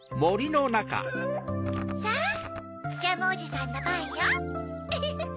さぁジャムおじさんのパンよウフフフ。